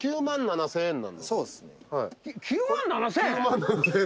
９万７，０００円！？